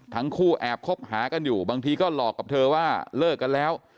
ทั้งคู่แอบคบหากันอยู่บางทีก็หลอกกับเธอว่าเลิกกันแล้ว